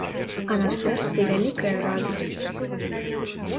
А на сэрцы вялікая радасць.